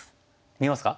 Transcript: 見えますか？